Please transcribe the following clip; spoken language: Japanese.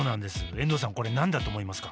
遠藤さんこれ何だと思いますか？